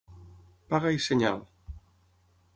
Paga i senyal.